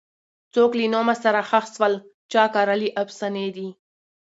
څوک له نومه سره ښخ سول چا کرلي افسانې دي